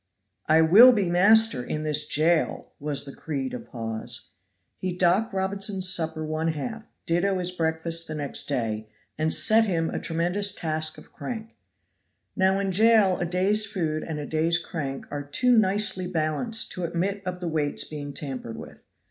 "I will be master in this jail!" was the creed of Hawes. He docked Robinson's supper one half, ditto his breakfast next day, and set him a tremendous task of crank. Now in jail a day's food and a day's crank are too nicely balanced to admit of the weights being tampered with.